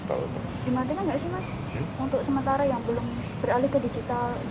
untuk sementara yang belum beralih ke digital